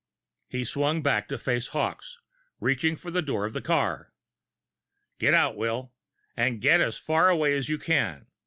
He swung back to face Hawkes, reaching for the door of the car. "Get out, Will and get as far away as you can.